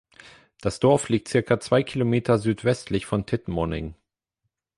Das Dorf liegt circa zwei Kilometer südwestlich von Tittmoning.